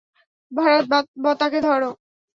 ভারাথ, বতাকে ধর।